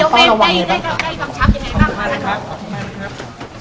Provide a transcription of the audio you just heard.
ขอบคุณมากครับ